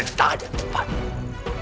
telah dihiat kamu